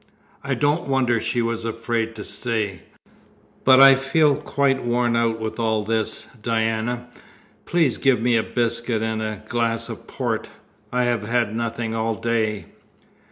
I don't wonder she was afraid to stay. But I feel quite worn out with all this, Diana. Please give me a biscuit and a glass of port; I have had nothing all day."